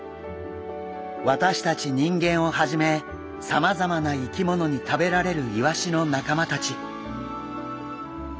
私たち人間をはじめさまざまな生き物に食べられるイワシの仲間たち。